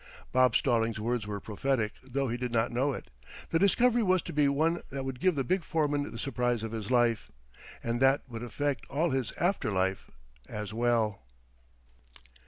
Bob Stallings' words were prophetic, though he did not know it. The discovery was to be one that would give the big foreman the surprise of his life, and that would affect all his after life as well.